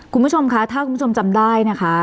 คุณผู้ชมคะถ้าคุณผู้ชมจำได้นะคะ